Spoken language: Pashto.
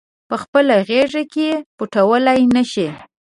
پخپله غیږ کې پټولای نه شي